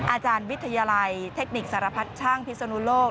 อาจารย์วิทยาลัยเทคนิคสารพัดช่างพิศนุโลก